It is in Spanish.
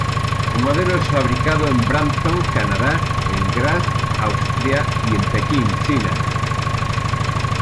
El modelo es fabricado en Brampton, Canadá, en Graz, Austria, y en Pekín, China.